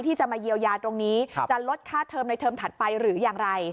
ที่จะมาเยียวยาตรงนี้จะลดค่าเทอมในเทอมถัดไปหรืออย่างไร